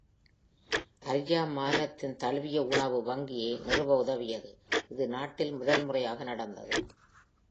Atiyeh மாநிலம் தழுவிய உணவு வங்கியை நிறுவ உதவியது, இது நாட்டில் முதல் முறையாக நடந்தது